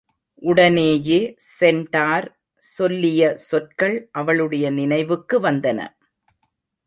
உடனேயே சென்டார் சொல்லிய சொற்கள் அளுடைய நினைவுக்கு வந்தன.